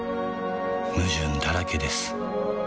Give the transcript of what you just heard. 矛盾だらけです